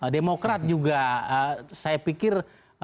demokrat juga saya pikir